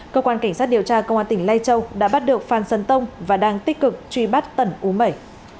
cơ quan cảnh sát điều tra công an tỉnh lê châu đã bắt được phan sân tông và đang tích cực truy bắt tẩn ú mẩy